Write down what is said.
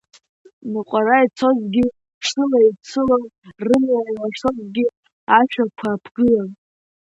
Ныҟәара ицозгьы ҽыла, еицылон, рымҩа илашозгьы ашәақәа аԥгылан.